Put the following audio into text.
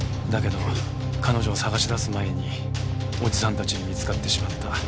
だけど彼女を捜し出す前におじさんたちに見つかってしまった。